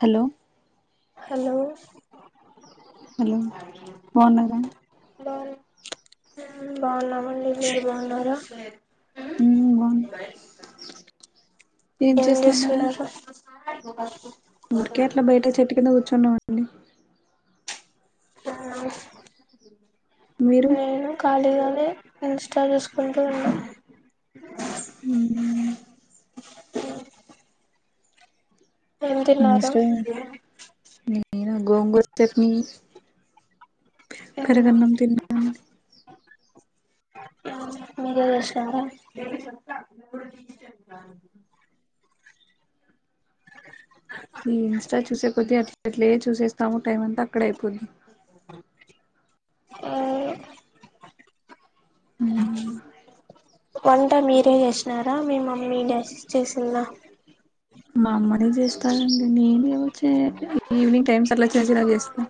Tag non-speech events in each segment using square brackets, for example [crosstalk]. Hello hello hello బాగున్నారా బావున్నా ఉమ్ బాగున్నాము మీరు బాగున్నారు ఉమ్ ఏం ఎం చేస్తున్నారు. [unintelligible] ముకేట్లా బయట చెట్టు కింద కూచ్చోని అన్న అవునా మీరు ఆ నేను ఖాళీగా ఇన్ స్టాల్ చేసుకుంటూ ఉన్నా అ అ ఏం తిన్నారు ఇన్స్టా నేను గోంగూర చట్నీ పెరుగు అన్నం తన్ను అండి మీకు విషంగా ఎట్ల చూసేస్తాము టైం అంతా అక్కడే పులి ఆ అ వంట మీరే చేసినారా మీ మమ్మీ నా చేసిందా మా అమ్మనే చేస్తానండి నేనే వచ్చే ఈవినింగ్ టైమ్స్ అట్లా చిన్న చి నా చేస్తా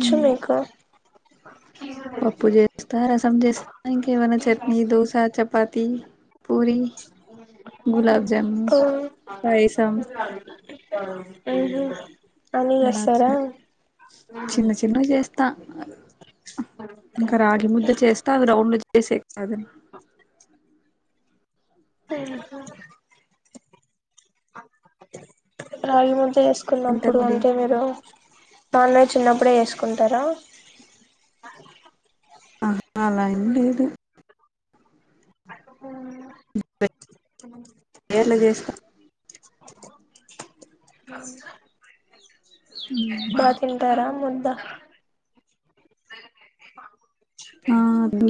ఉమ్ మీకు పప్పు చేస్తా రసం చేస్తా ఇంకేమైనా చట్నీ దోశ చపాతి పూరి గులాబ్ జమున్ పైసన్ ఆ మళ్ళి అలా చి వస్తారా చిన్న చిన్నవి చేస్తా ఇంకా రాగి ముద్ద చేస్తే అవి రౌండ్ గ చేసేది కాదు రాగి మసుచా స్ అంటారు కున్నప్పుడు మరి అంటే మీరు నాన్ వెజ్ చిన్నప్పుడే వేసుకుంటారా ఆహా అలా ఎం లేదు ఎట్లా చేస్తా అవు బా తింటారా ముద్ద స ఆ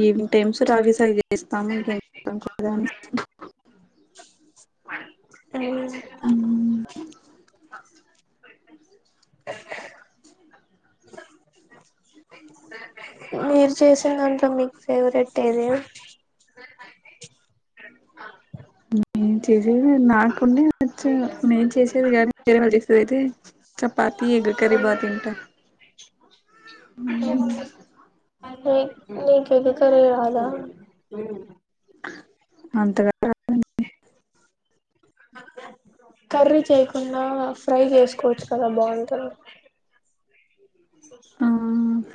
ఈవినింగ్ టైమ్స్ సటాగి స రిగే ఇస్తాము ఇంకేంస్తాం కదా అని అ అ మీరు చేసిన దాంట్లో మీకు ఫేవరెట్ ఏది? ఉంచే అ నాకుండేచ్చ నేను చేసేది కానీ చేది అయితే చపాతి ఎగ్ కర్రీ బా తింటా. నీ నీకు ఎగ్ కర్రీ రాదా. అంతగా రాదండి. కర్రీ చేయకుండా ఫ్రై చేసుకోవచ్చు కదా బాగుంటుంది. ఆ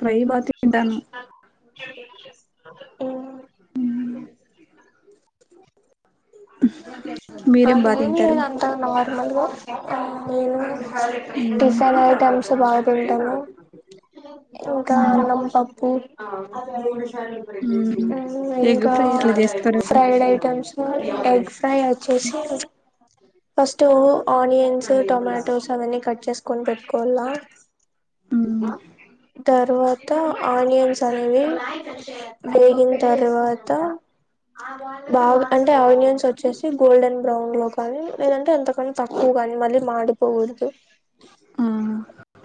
ఫ్రై బా తింటాను ఊ ఊ అది ఏమీ లేదు అంతా నార్మల్గా నేను ఉమ్ టిఫిన్ ఐటమ్స్ బా కొంటాను. ఇంకా అన్నం పప్పు ఆ ఉమ్ [unintelligible] ఎగ్ ఇంకా ఫ్రై ఎట్లా చేస్తారు ఫ్రైడ్ ఐటమ్స్. ఎగ్స్ తయారుచేసి ఫస్ట్ ఆనియన్స్ టొమాటోస్ అవన్నీ కట్ చేసుకొని పెట్టుకోవాలా తర్వాత ఆనియన్స్ అనేవి వేగిన తర్వాత బాగా అంటే ఆనియన్స్ వ వచ్చేసి గోల్డెన్ బ్రౌన్ లో కానీ లేదంటే ఎంతకని తక్కువ ని మాడిపోకూడదు మ్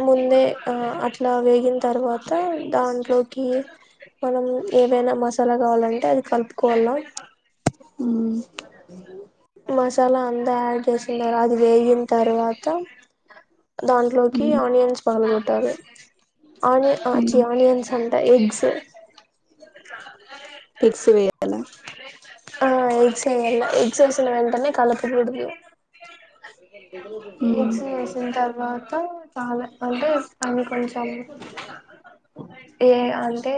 ముందే ఆ అట్లా వేగిన తర్వాత తర్వాత దాంట్లోకి మనం ఏవైనా మసాలా కావాలంటే అది కలుపుకోవాల మ్ మసాలా అంతా యాడ్ చేసిన తర్వాత అది వేగిన తర్వాత దాంట్లోకి ఆనియన్స్ బాగా సరే ఆనిచ్చి ఆనియన్స్ త ఎగ్స్ ఎగ్స్ వేయాలా ఆ ఎగ్స్ ఎయాల ఎక్జైసిన వెంటనే కలుపకూడదు ఎక్స్ వేసిన తర్వాత చాల అంటే అ కొంచం ఏ అల్ అంటే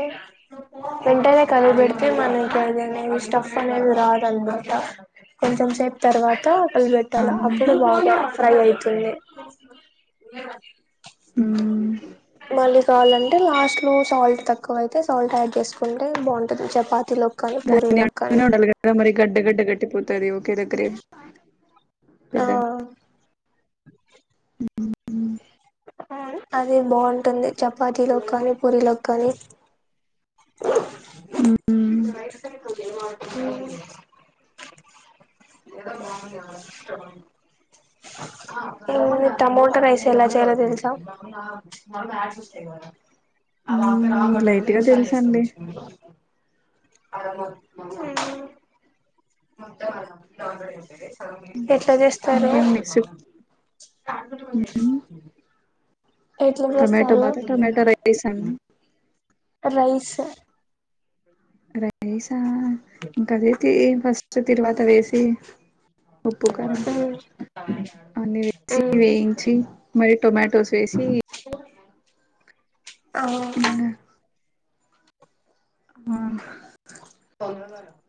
వెంటనే కలిపి పెెడితే మనకి అది అనేది స్టఫ్ అనేది రాదునమాట కొంచెం సేపు తర్వాత కలిపెట్టాలి అప్పుడు బాగా ఫ్రై అయితుంది మళ్ళీ కావాలంటే లాస్ట్ లో సాల్ట్ తక్కువ అయితే సాల్ట్ యాడ్ చేసుకుంటే బాగుంటుంది చపాతిలో దాన్ని అట్నే ఉండాలి కదా మరి గడ్డ గడ్డ గట్టిపోతుది ఒకే దగ్గరే ఆ పెద్దగా అది బాగుంటుంది చపాతీలో కానీ పూరీ లోకి కానీ ఇంగ్ టమాటో రైస్ ఎలా చేయ్యాలో తెలుసా మరల యాడ్స్ వస్తాయి కా రాంగ్ లైట్ కోట్టుకుని గా విషాలు చేస్త తెలుసండి ఎట్ల చేస్ స్తరు ఇంకేం నెక్స్ట్ [unintelligible] టొమాటో బాత్ ఆ టొమాటో రైస్ ఆ అండి రైస్ రైసా ఇంకా అదైతే ఏం ఫస్ట్ తిర్వాత వేసి ఉప్పు కారం మ్మ్ అన్నీ వేసి మ్మ్ వేయించి మరి టొమాటోస్ వేసి అ చ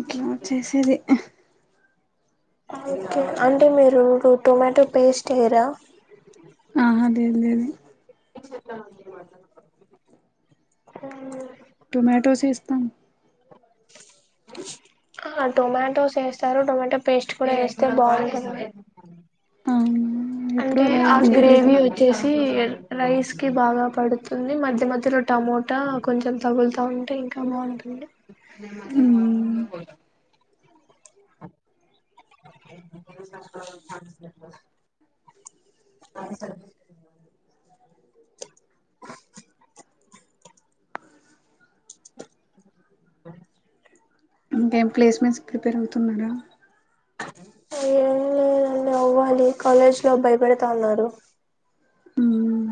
ఇట్లా వచ్చేసేది అంటే మీరు [unintelligible] పేస్ట్ వేయరా హా లేద్ లేదు టొమాటోస్ ఇస్తాను ఆ టొమాటోస్ వేస్తారు టొమాటో పేస్ట్ కూడా వేస్తే బాగుంటుంది అవునా ఎప్పుడు అంటే అలా ఆ ఏం చేయలేదు గ్రేవీ వచ్చేసి రైస్ కి బాగా పడుతుంది మధ్య మధ్యలో టమోటా కొంచెం తగులుతా ఉంటే ఇంకా బాగుంటుంది న మాజ మల్ రూ మ్మ్ లో బలా అ అ స ఇంకేం ప్లేస్మెంట్స్ ప్రిపేర్ అవుతున్నాడా ఏం లేదండి అవ్వాలి కాలేజ్ లో భయపెడ్తాన్నరు మ్మ్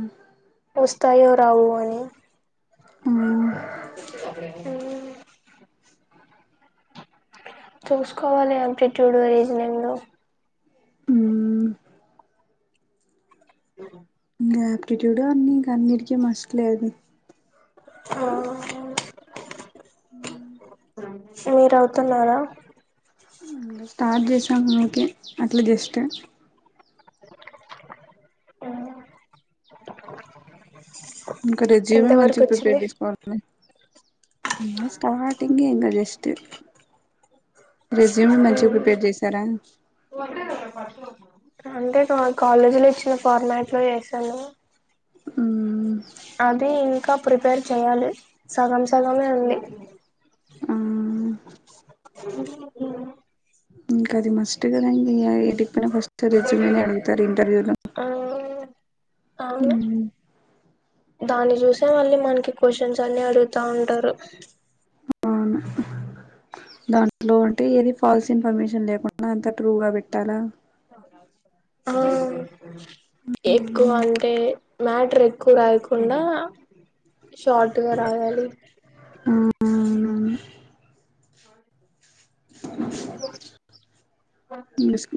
వస్తాయో రావు అని ఆ చూసుకోవాలి ఆప్టిట్యూడ్ రీజనింగ్ మ్మ్ ఆ ఆయాప్టిట్యూడ్ అన్ని ఇంక అన్నిటికీ మస్ట్ లేదు ఆ మీరవుతున్నారా స్టార్ట్ చేశాము మకి అట్లా జస్ట్ అ ఇంకా రెజిమ మంచి ప్రిపేర్ చేసుకోవాలని స్టార్టింగ్ ఎంగ జస్ట్ రెజ్యూమ్ ఆ మంచిగా ప్రిపేర్ చేసారా అంటే నా కాలేజీలో ఇచ్చిన ఫార్మాట్ లో చేసాను మ్మ్ అది ఇంకా ప్రిపేర్ చేయాలి సగం సగమే ఉంది ఆ ఇంకా అది మస్ట్గాదం ఏది ఫస్ట్ రిజ్యూమిని అడుగుతారు ఇంటర్వ్యూ లో ఆ అవును దాన్ని చూసే మళ్ళీ మనకి క్వశ్చన్స్ అన్ని అడుగుతా ఉంటారు దాట్లో అ ఏది ఫాల్స్ ఇన్ఫర్మేషన్ లేకుండా అంత ట్రూ గా పెట్టి తల ఆ ఎక్కువ అంటే మ్యాటర్ ఎక్కువ రాయకుండ షార్ట్ గ రాయాలి హమ్మ్ అ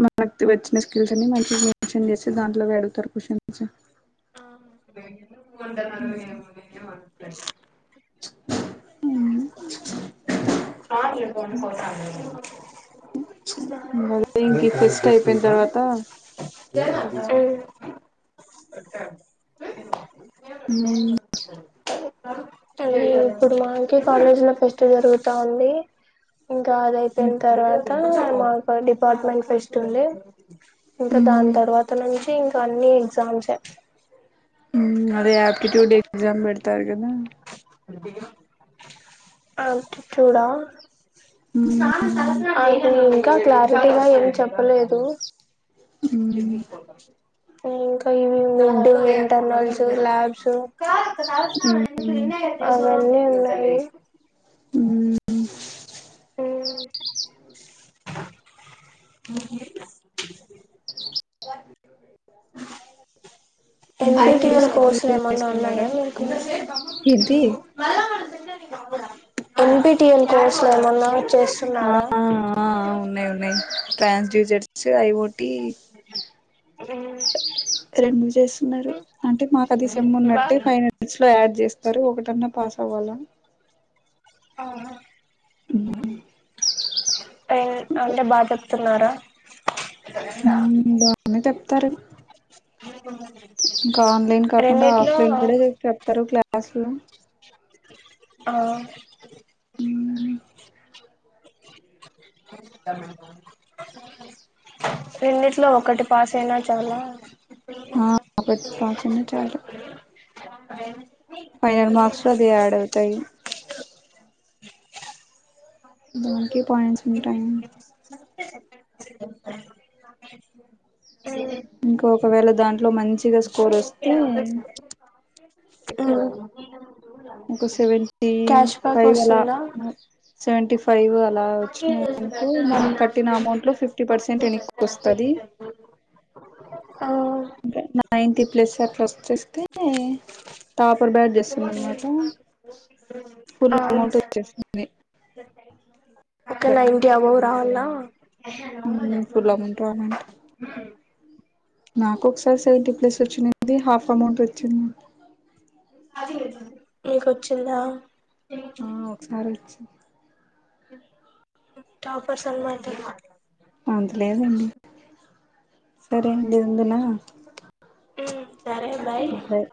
మనకి వచ్చిన స్కిల్స్ మంచి మెన్షన్ చేసి దాంట్లో వే అడుగుతరు కోషన్స్ ఆ ంట హమ్ మ ఇంక ఫస్ట్ అయిపోయిన్ తర్వాత అ హమ్ అకే ఉమ్ అ ఇప్పుడు మాకి కాలేజ్ లో పె జరుగుత ఉంది ఇంక అద అయిపోయిం తర్వాత మాకు డిపార్ట్మెంట్ ఫేస్ట్ ఉంది ఇంక దాన్ ఉమ్ తర్వాత నను ఇంకన్నీ సాంగ్స్ సే హమ్ అదే ఆప్టిట్యూడ్ ఎక్జామ్ పెడతార్ హమ్ ఆప్టిట్యూడ్ ఆ ఉమ్ అది ఇంక క్లారిటీగ ఏం చెప్పలేదు ఉమ్ జ ప ఇంక ఇవి మిడ్ ఇంటర్నల్స్ ల్యాబ్స్ అవొక్క ఉమ్ అన్నీ ఉన్నాయి హమ్ హమ్ ము వ ఎన్ ఇంకా పి టి ఎల్ ఈడూస్కి కోర్సులు ఏమన్న చేస్తున్నారా ఉన్నాయా మీకు ఏంటి ఎన్పీటిఎల్ కోర్స్ లో ఏమన్నా ఆ చేస్తున్నారా ఆ ఉన్నాయి ఉన్నాయి ట్రాన్స్ జూసర్ హొ ఐ ఒకటీ మ్ రెండు చేస్తున్నారు అంటే మాకు అదిసం బా ఉన్నట్టే ఫైవ్ మినిట్స్ లో యాడ్ చేస్తారు ఒకటన్న పాస్ అవాలా ఆహా అంట బాధ [inaudible] వస్తున్నారా బా [inaudible] అన్న చెప్తారు మ్ ఇంకా ఆన్లైన్ కాకుండా ఆఫ్లైన్ కూడ చెప్తరు క్లాసులు ఆ మ్ రెండిట్లో ఒకటి పాస్ అయినా చాలా ఆబట్ పా చిన్న చాలు [inaudible] ఫైనల్ మార్క్స్ లో అదియాడవుతాయి దానికి పాయింట్స్ ఉంటాయి ఇంకా ఒకవేళ దాంట్లో మంచిగా స్కోర్ వస్తే ఇంకా సెవెన్ టీ క్యాష్ బ్యాక్ ఫైవలా వస్తుందా సెవెంటి పైవ అలా వచ్చినాయి ఎనుకో మనం కట్టిన అమౌంట్ లో ఫిఫ్టీ పర్సెంట్ ఎనుక్కు వసస్తది ఆ నైన్ీ ప్లస్ ప్రస్ చేస్తే టాపర్ బ్యాడ్ చేస్తుంది అనమాట ఫుల్ ఆ అమౌంట్ వచ్చేస్తుంది అక్కన ఇంటి అవ రావాల మ్మ్ ఫుల్లగా ఉంటాదంట నాకు ఒకసారి సెవెంటీ ప్లస్ వచ్చింది హాఫ్ అమౌంట్ వచ్చింది అదే అయితాది నీకు వచ్చిందా ఆ ఒకసారి వచ్చింది టాపర్సన్ [unintelligible] మ అంతలేదండి సరేన వుందునా బాయ్